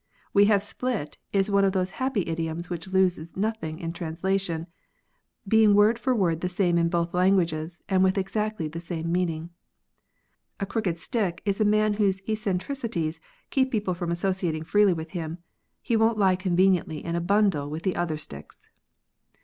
We have split is one of those happy idioms which lose nothing in translation, being word for word the same in both languages, and with exactly the same meaning. A crooked stick is a man whose eccentricities keep people from associating freely with him ; he won't lie conveniently in a bundle with the other sticks.